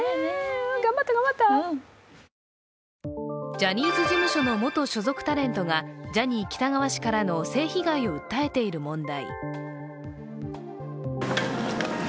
ジャニーズ事務所の元所属タレントがジャニー喜多川氏からの性被害を訴えている問題。